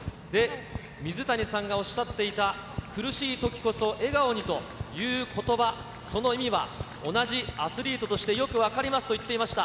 水谷さんがおっしゃっていた苦しいときこそ笑顔にということば、その意味は同じアスリートとしてよく分かりますと言っていました。